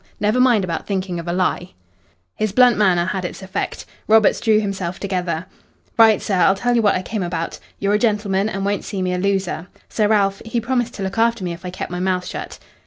Never mind about thinking of a lie." His blunt manner had its effect. Roberts drew himself together. "Right, sir, I'll tell you what I came about. You're a gentleman and won't see me a loser. Sir Ralph, he promised to look after me if I kept my mouth shut."